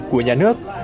của nhà nước